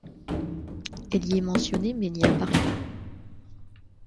Elle y est mentionnée mais n'y apparaît pas.